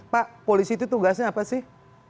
pak polisi itu tugasnya apa sih